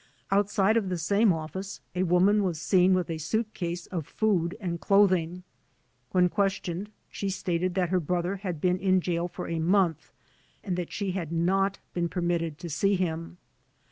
Outside of the same office a woman was seen with a suitcase of food and clothing. When questioned she stated that her brother had been in jail for a month and that she had not been permitted to see him.